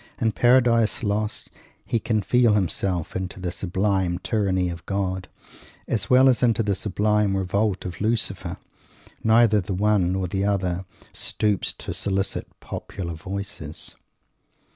In Paradise Lost he can "feel himself" into the sublime tyranny of God, as well as into the sublime revolt of Lucifer. Neither the one or other stoops to solicit "popular voices."